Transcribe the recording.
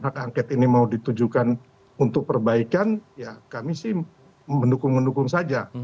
hak angket ini mau ditujukan untuk perbaikan ya kami sih mendukung mendukung saja